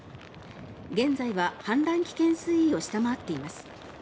現在は氾濫危険水位を下回っています。